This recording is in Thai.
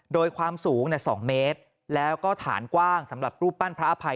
โดยความสูง๒เมตรแล้วก็ฐานกว้างสำหรับรูปปั้นพระอภัย